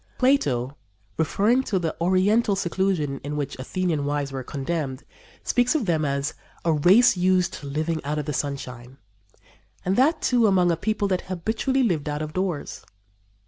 Plato, referring to the oriental seclusion to which Athenian wives were condemned, speaks of them as "a race used to living out of the sunshine," and that, too, among a people that habitually lived out of doors.